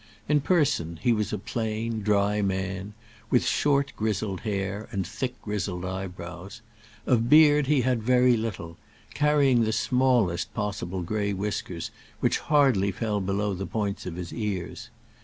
In person, he was a plain, dry man, with short grizzled hair and thick grizzled eyebrows. Of beard, he had very little, carrying the smallest possible gray whiskers, which hardly fell below the points of his ears.